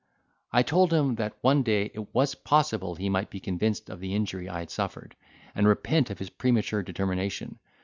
I told him, that one day it was possible he might be convinced of the injury I had suffered, and repent of his premature determination.